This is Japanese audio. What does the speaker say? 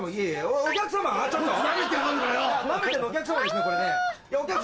えっ？